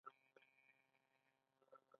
آیا کیش او قشم تفریحي ټاپوګان نه دي؟